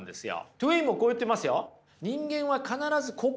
トウェインもこう言ってますよ。